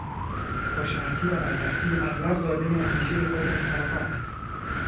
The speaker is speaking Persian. خوشبختی و بدبختی اغلب زادهی اندیشهی خود انسانها است.